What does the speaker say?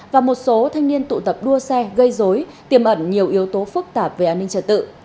và một số thanh niên tụ tập đua xe gây dối tiềm ẩn nhiều yếu tố phức tạp về an ninh trật tự